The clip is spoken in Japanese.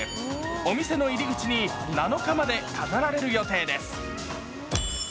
お店の入り口に７日まで飾られる予定です。